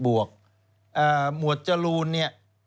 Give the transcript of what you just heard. วกหมวดจรูนเนี่ย